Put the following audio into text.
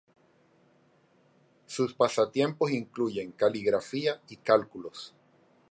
Sus pasatiempos incluyen caligrafía y cálculos.